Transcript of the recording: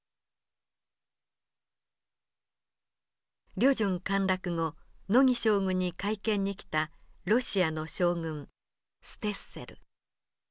旅順陥落後乃木将軍に会見に来たロシアの将軍ステッセル。